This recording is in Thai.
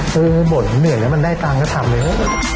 ซื้อให้หมดเหนื่อยแล้วมันได้ตังค์ก็ทำเลย